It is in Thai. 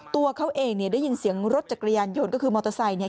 ตัวเขาเองได้ยินเสียงรถจากกระยานยนต์ก็คือมอเตอร์ไซค์